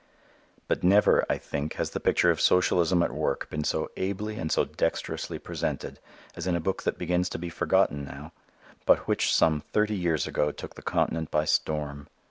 But never, I think, has the picture of socialism at work been so ably and so dexterously presented as in a book that begins to be forgotten now, but which some thirty years ago took the continent by storm.